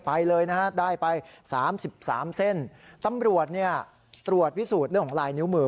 ไปเลยนะฮะได้ไปสามสิบสามเส้นตำรวจเนี่ยตรวจพิสูจน์เรื่องของลายนิ้วมือ